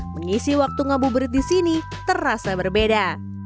mengisi waktu ngabuburit di sini terasa berbeda